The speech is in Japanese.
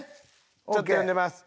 ちょっと呼んでます。